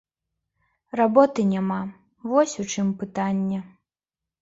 Работы няма, вось у чым пытанне.